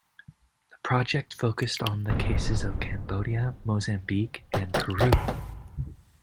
The project focused on the cases of Cambodia, Mozambique and Peru.